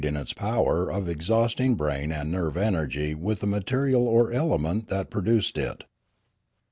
in its power of exhausting brain and nerve energy with the material or element that produced it.